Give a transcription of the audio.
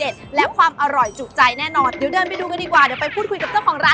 เจ้าของร้านกันค่ะ